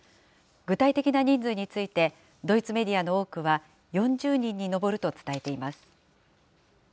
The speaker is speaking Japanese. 具体的な人数について、ドイツメディアの多くは４０人に上ると伝えています。